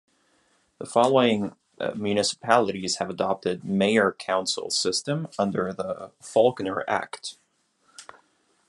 The following municipalities have adopted mayor-council system under the Faulkner Act.